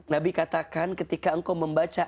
nabi katakan ketika engkau membaca